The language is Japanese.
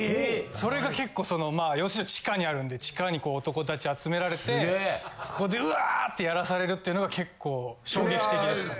それが結構そのまあ養成所の地下にあるんで地下にこう男達集められてそこでうわぁってやらされるっていうのが結構衝撃的でした。